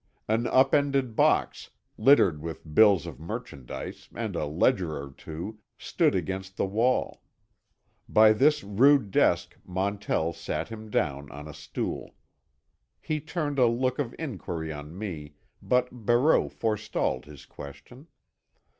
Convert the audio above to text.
An upended box, littered with bills of merchandise and a ledger or two, stood against the wall. By this rude desk Montell sat him down on a stool. He turned a look of inquiry on me, but Barreau forestalled his question.